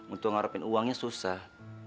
untuk mengharapkan uangnya susah